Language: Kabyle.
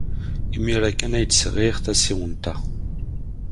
Imir-a kan ay d-sɣiɣ tasiwant-a.